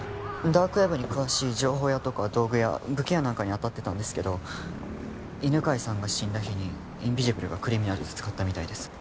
ダークウェブに詳しい情報屋とか道具屋武器屋なんかに当たってたんですけど犬飼さんが死んだ日にインビジブルがクリミナルズ使ったみたいです